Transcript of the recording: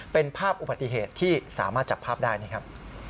เป็นภาพอุบัติเหตุที่สามารถจับภาพได้นี่ครับ